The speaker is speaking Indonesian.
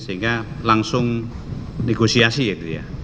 sehingga langsung negosiasi gitu ya